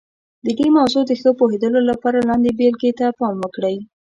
د دې موضوع د ښه پوهېدلو لپاره لاندې بېلګې ته پام وکړئ.